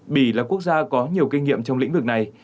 bỉ là quốc gia có nhiều kinh nghiệm trong lĩnh vực này